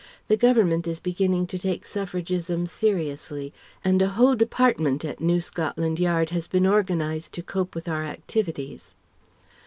The Government is beginning to take Suffragism seriously, and a whole department at New Scotland Yard has been organized to cope with our activities.